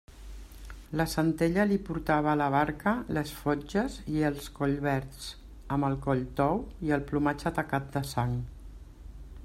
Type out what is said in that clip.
La Centella li portava a la barca les fotges i els collverds, amb el coll tou i el plomatge tacat de sang.